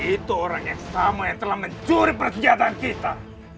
itu orang yang sama yang telah mencuri persenjataan kita